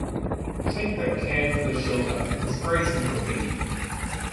Take that can from the shelter and spray some graffiti.